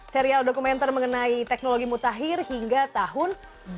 serial dokumenter mengenai teknologi mutakhir hingga tahun dua ribu lima puluh enam